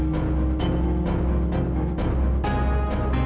kok bisa ada di tas aku